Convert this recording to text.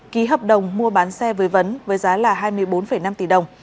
ký hợp đồng mua bán xe với vấn với giá là hai mươi bốn năm tỷ đồng